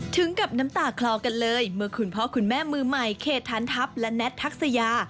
ถึงกับน้ำตาคลอกันเลยเมื่อคุณพ่อคุณแม่มือใหม่เขตทันทัพและแท็ตทักษยา